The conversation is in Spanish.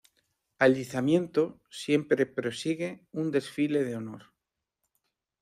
Al izamiento, siempre prosigue un desfile de honor.